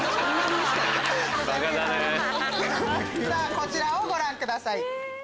こちらをご覧ください。